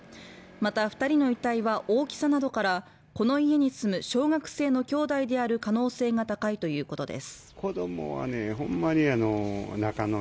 また二人の遺体は大きさなどからこの家に住む小学生の兄弟である可能性が高いということです